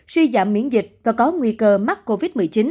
suy giảm miễn dịch và có nguy cơ mắc covid một mươi chín